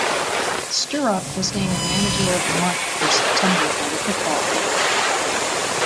Sturrock was named Manager of the Month for September by the Football League.